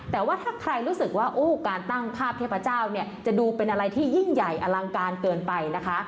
แต่ว่าถ้าใครรู้สึกว่าการตั้งภาพเทพเจ้าเนี่ยจะดูเป็นอะไรที่ยิ่งใหญ่อลังการเกินไปนะคะ